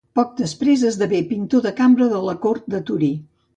Poc després esdevé pintor de cambra de la cort de Torí.